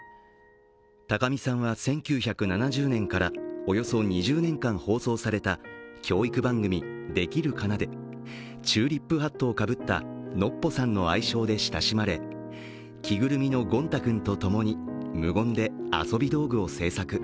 高見さんは１９７０年からおよそ２０年間放送された教育番組「できるかな」でチューリップハットをかぶったノッポさんの愛称で親しまれ、着ぐるみのゴン太くんと共に、無言で遊び道具を製作。